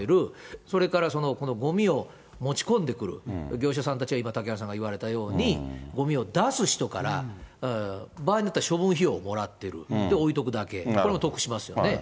それからこのごみを持ち込んでくる業者さんたちが、今、嵩原さんが言われたように、ごみを出す人から場合によっては処分費用をもらってる、置いとくだけ、これも得しますよね。